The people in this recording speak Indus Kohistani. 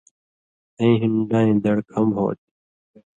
کَھیں ہِن ڈائیں دڑ کم ہوتھی۔